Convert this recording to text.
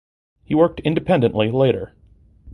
He worked independently later.